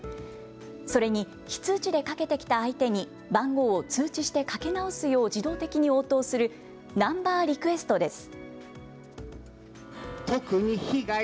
それに、非通知でかけてきた相手に番号を通知してかけ直すよう自動的に応答するナンバー・リクエストです。